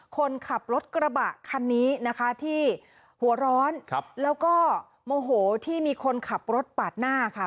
คนขับรถกระบะคันนี้นะคะที่หัวร้อนแล้วก็โมโหที่มีคนขับรถปาดหน้าค่ะ